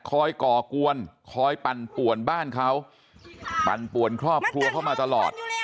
ก่อกวนคอยปั่นป่วนบ้านเขาปั่นป่วนครอบครัวเข้ามาตลอด